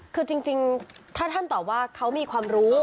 คือจริงถ้าท่านตอบว่าเขามีความรู้